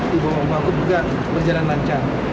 di bawah wakil gubernur juga berjalan lancar